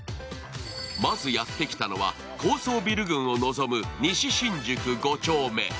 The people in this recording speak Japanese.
まずやって来たのは、高層ビル群を望む西新宿５丁目。